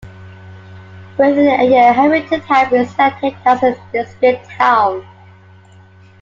Within a year Hamilton had been selected as the district town.